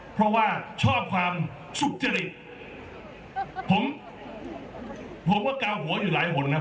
เพราะว่าชอบความสุจริตผมผมก็กาวหัวอยู่หลายหนครับ